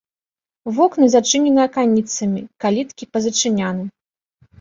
Вокны зачынены аканіцамі, каліткі пазачыняны.